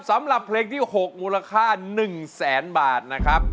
สำหรับเพลงที่๖มูลค่า๑แสนบาทนะครับ